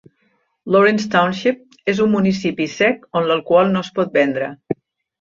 Lawrence Township és un municipi sec on l'alcohol no es pot vendre.